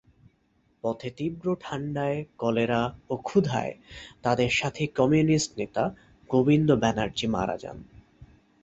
পথে তীব্র ঠান্ডায়, কলেরা ও ক্ষুধায় তাদের সাথী কমিউনিস্ট নেতা গোবিন্দ ব্যানার্জী মারা যান।